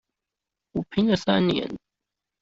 我拼了三年